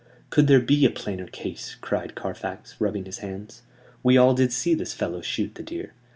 "Could there be a plainer case?" cried Carfax, rubbing his hands. "We all did see this fellow shoot the deer.